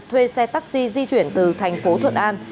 thuê xe taxi di chuyển từ thành phố thuận an